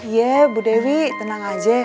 ya bu dewi tenang aja